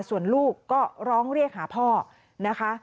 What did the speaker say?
ส่วนลูกก็ร้องเรียกหาพ่อนะคะ